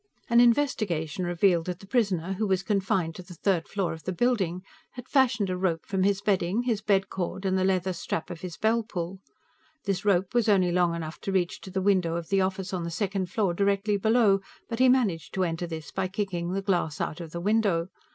An investigation revealed that the prisoner, who was confined on the third floor of the building, had fashioned a rope from his bedding, his bed cord, and the leather strap of his bell pull. This rope was only long enough to reach to the window of the office on the second floor, directly below, but he managed to enter this by kicking the glass out of the window.